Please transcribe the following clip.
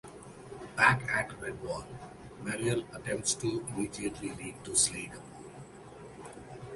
Back at Redwall, Mariel attempts to immediately leave to slay Gabool.